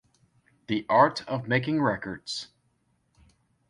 The Art Of Making Records.